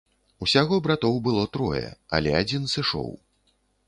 Усяго братоў было трое, але адзін сышоў.